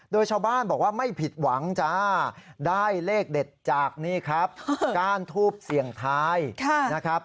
โดยชาวบ้านบอกว่าไม่ผิดหวังจ้าได้เลขเด็ดจากนี่ครับก้านทูบเสี่ยงทายนะครับ